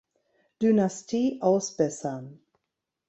Dynastie ausbessern.